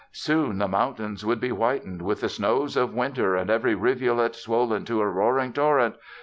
Soon the mountains would be whitened with the snows of winter and every rivulet swollen to a roaring torrent.